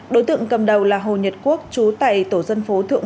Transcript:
đối tượng cầm đầu là hồ nhật quốc trú tại tổ dân phố thượng một